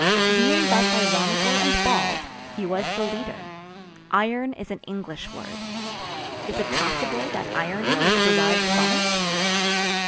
Being thus ironical and bald, he was the leader. Iron is an English word. Is it possible that irony is derived from it?